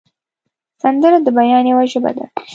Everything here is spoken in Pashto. سندره د بیان یوه ژبه ده